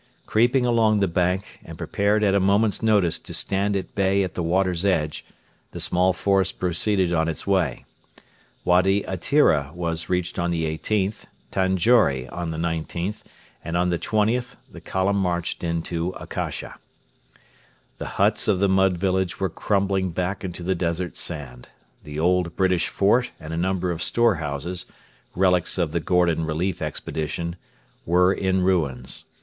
Creeping along the bank, and prepared at a moment's notice to stand at bay at the water's edge, the small force proceeded on its way. Wady Atira was reached on the 18th, Tanjore on the 19th, and on the 20th the column marched into Akasha. The huts of the mud village were crumbling back into the desert sand. The old British fort and a number of storehouses relics of the Gordon Relief Expedition were in ruins.